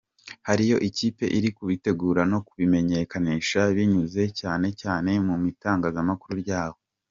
Hariyo ikipe iri kubitegura no kubimenyekanisha binyuze cyane cyane mu itangazamakuru ryaho.